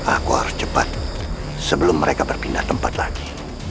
aku harus cepat sebelum mereka berpindah tempat lagi